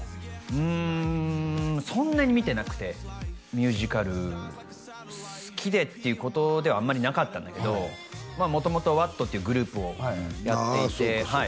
うんそんなに見てなくてミュージカル好きでっていうことではあんまりなかったんだけど元々ＷａＴというグループをやっていてああ